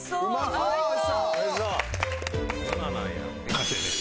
完成です。